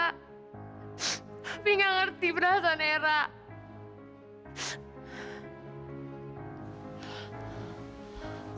tapi gak ngerti perasaan eram